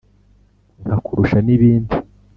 Nkakurusha n'ibindi :